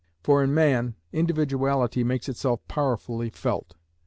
For in man, individuality makes itself powerfully felt.